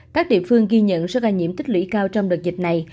các địa phương ghi nhận số ca nhiễm tích lũy cao trong đợt dịch này